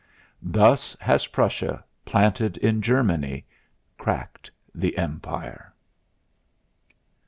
Thus has Prussia, planted in Germany, cracked the Empire.